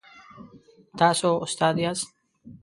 تاسو استاد یاست؟